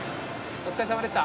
お疲れさまでした。